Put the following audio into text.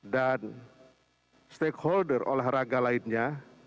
dan stakeholder olahraga lainnya